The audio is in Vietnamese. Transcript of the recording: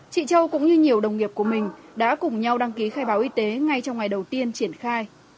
chị châu cũng như nhiều đồng nghiệp của mình đã cùng nhau đăng ký khai báo y tế ngay trong ngày đầu tiên triển khai